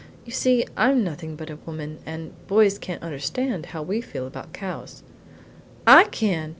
You see, I am nothing but a woman, and boys can't understand how we feel about cows." "I can!